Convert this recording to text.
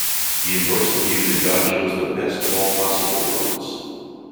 He endorsed the view that God chose the best of all possible worlds.